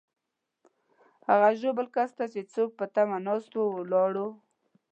هغه ژوبل کس ته چې زموږ په تمه ناست وو، ولاړو.